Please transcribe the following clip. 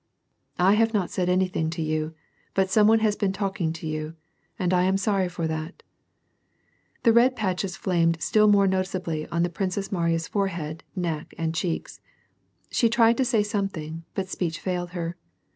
"I have not said anything to you, but some one has been talking to you. And I am sorry for that." The red patches flamed still more noticeably on the l*rin cess Mariya's forehead, neck, and cheeks. She tried to say something, but speech failed her.